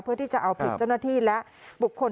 เพื่อที่จะเอาผิดเจ้าหน้าที่และบุคคล